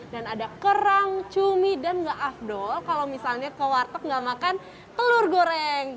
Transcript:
dan ada kerang cumi dan maaf doh kalau misalnya ke warteg gak makan telur goreng